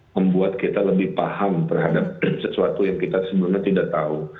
membuat kita lebih paham terhadap sesuatu yang kita sebenarnya tidak tahu